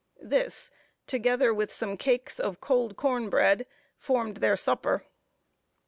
This, together with some cakes of cold corn bread, formed their supper.